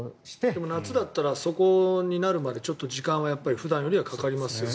でも夏だったらそこになるまでに、時間が普段よりもかかりますよね。